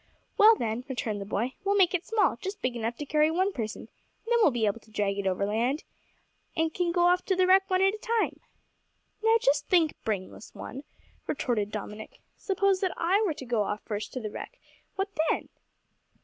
"Well, then," returned the boy, "we'll make it small, just big enough to carry one person, and then we'll be able to drag it overland, and can go off to the wreck one at a time." "Now, just think, brainless one," retorted Dominick; "suppose that I were to go off first to the wreck, what then?"